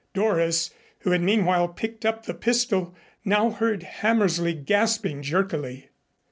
Doris, who had meanwhile picked up the pistol, now heard Hammersley gasping jerkily.